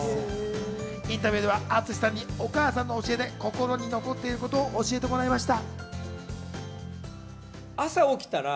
インタビューでは、淳さんにお母さんの教えで心に残っていることを教えてもらいました。